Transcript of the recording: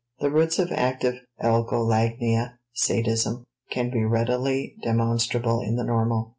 The roots of active algolagnia, sadism, can be readily demonstrable in the normal.